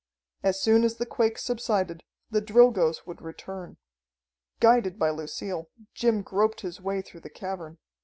As soon as the quake subsided the Drilgoes would return. Guided by Lucille, Jim groped his way through the cavern.